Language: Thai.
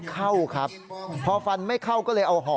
สายลูกไว้อย่าใส่